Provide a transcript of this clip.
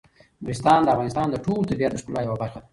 نورستان د افغانستان د ټول طبیعت د ښکلا یوه برخه ده.